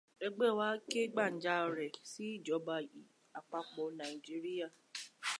Ẹgbẹ́ wa ké gbànjarè sí ìjọba àpapọ̀ Nàíjíríà.